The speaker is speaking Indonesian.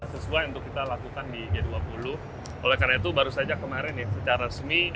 sesuai untuk kita lakukan di g dua puluh oleh karena itu baru saja kemarin secara resmi